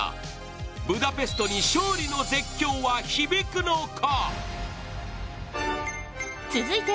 ブダペストに勝利の絶叫は響くのか。